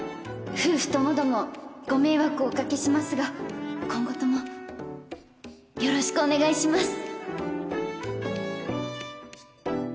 夫婦ともどもご迷惑おかけしますが今後ともよろしくお願いします